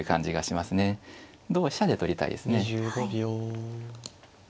同飛車で取りたいですね。